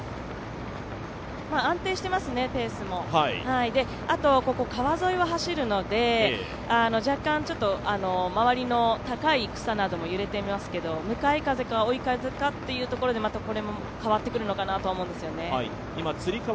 安定していますね、ペースもここ、川沿いを走るので若干周りの高い草なども揺れていますけど、向かい風か追い風かというところでまた変わってくるのかなと思うんですよね。